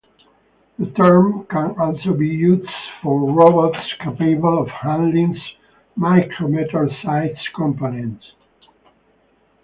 The term can also be used for robots capable of handling micrometer size components.